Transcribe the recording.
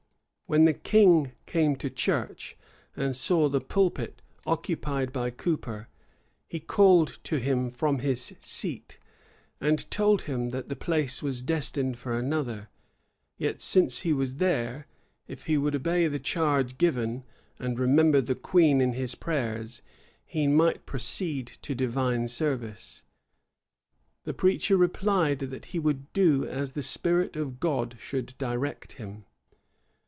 When the king came to church, and saw the pulpit occupied by Couper, he called to him from his seat, and told him, that the place was destined for another; yet since he was there, if he would obey the charge given, and remember the queen in his prayers, he might proceed to divine service. The preacher replied, that he would do as the Spirit of God should direct him.